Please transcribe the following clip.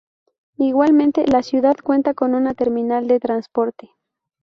Igualmente, la ciudad cuenta con una terminal de transporte.